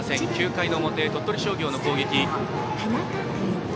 ９回の表、鳥取商業の攻撃。